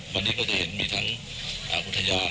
วันนี้ก็จะเห็นมีทั้งอุทยาน